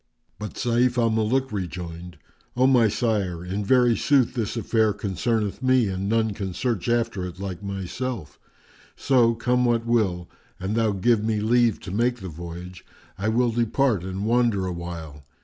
But Sayf al Muluk rejoined, "O my sire, in very sooth this affair concerneth me and none can search after it like myself: so, come what will, an thou give me leave to make the voyage, I will depart and wander awhile.